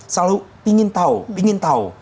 selalu ingin tahu